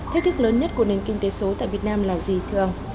thách thức lớn nhất của nền kinh tế số tại việt nam là gì thường